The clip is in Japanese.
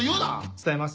伝えます